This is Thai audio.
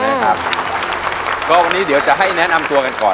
ก็วันนี้เดี๋ยวจะให้แนะนำตัวกันก่อน